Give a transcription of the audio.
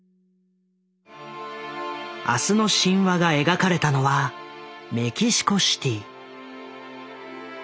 「明日の神話」が描かれたのはメキシコシティ。